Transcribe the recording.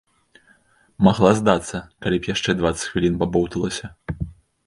Магла здацца, калі б яшчэ дваццаць хвілін пабоўталася.